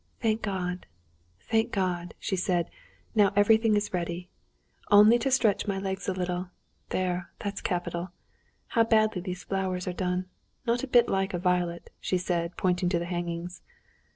"Thank God, thank God!" she said, "now everything is ready. Only to stretch my legs a little. There, that's capital. How badly these flowers are done—not a bit like a violet," she said, pointing to the hangings.